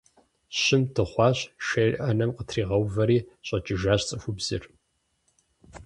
Щым дыхъуащ, шейр Ӏэнэм къытригъэувэри, щӀэкӀыжащ цӀыхубзыр.